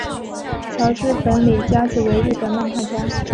井之本理佳子为日本漫画家。